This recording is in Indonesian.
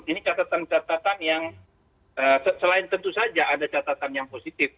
ini catatan catatan yang selain tentu saja ada catatan yang positif